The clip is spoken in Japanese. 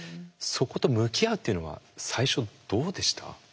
そこと向き合うっていうのは最初どうでした？